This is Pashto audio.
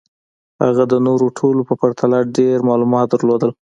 هغه د نورو ټولو په پرتله ډېر معلومات درلودل